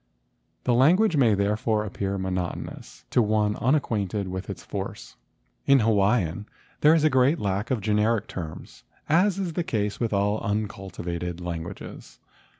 The language may therefore appear monot¬ onous to one unacquainted with its force. In Hawaiian there is a great lack of generic terms, as is the case with all uncultivated languages.